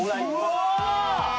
うわ！